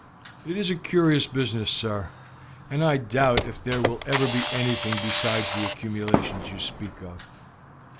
"It is a curious business, sir, and I doubt if there will ever be anything besides the accumulations you speak of."